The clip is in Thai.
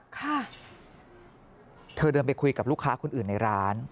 เธอเดินไปคุยกับลูกค้าคนอื่นในร้าน